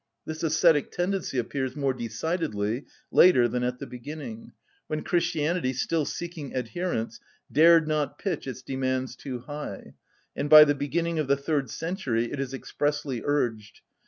This ascetic tendency appears more decidedly later than at the beginning, when Christianity, still seeking adherents, dared not pitch its demands too high; and by the beginning of the third century it is expressly urged.